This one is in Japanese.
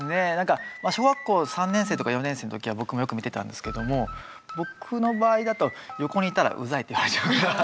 小学校３年生とか４年生の時は僕もよく見てたんですけども僕の場合だと横にいたらウザいって言われちゃうから。